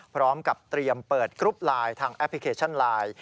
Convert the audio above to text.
พร้อมกับเตรียมเปิดกรุ๊ปไลน์ทางแอปพลิเคชันไลน์